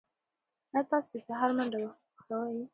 ایا تاسي د سهار منډه وهل خوښوئ؟